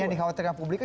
yang dikhawatirkan publik